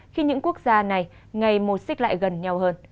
khi những quốc gia này ngày một xích lại gần nhau hơn